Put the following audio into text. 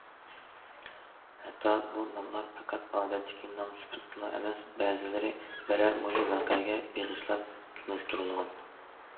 ھەتتا بۇ ناملار پەقەت ئادەتتىكى نام سۈپىتىدىلا ئەمەس، بەزىلىرى بىرەر مۇھىم ۋەقەگە بېغىشلاپ تونۇشتۇرۇلغان.